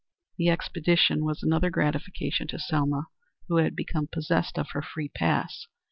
The expedition was another gratification to Selma who had become possessed of her free pass.